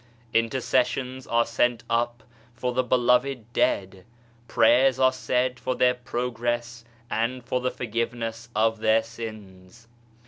Intercessions are sent up for the beloved dead, prayers are said for their progress and for the forgiveness of their sins.